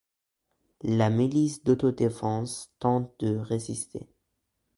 La milice d'auto-défense tente de résister.